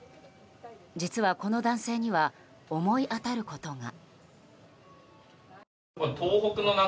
実はこの男性には思い当たることが。